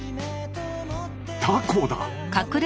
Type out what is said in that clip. タコだ！